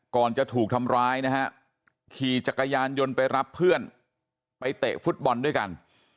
ก่อนจะถูกทำร้ายนะฮะขี่จักรยานยนต์ไปรับเพื่อนไปเตะฟุตบอลด้วยกัน